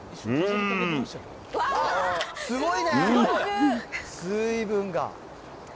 すごいね、水分が。